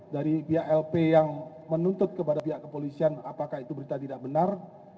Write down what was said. dari pihak lp yang menuntut kepada pihak kepolisian apakah itu berita tidak benar